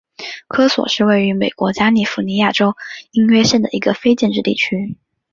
科索是位于美国加利福尼亚州因约县的一个非建制地区。